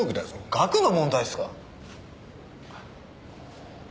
額の問題ですか？